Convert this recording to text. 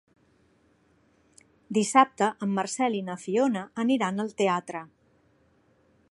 Dissabte en Marcel i na Fiona aniran al teatre.